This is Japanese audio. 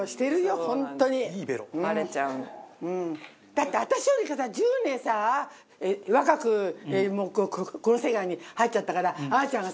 だって私よりか１０年さ若くこの世界に入っちゃったからあーちゃんがさ